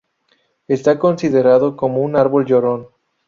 Está considerado como un árbol llorón.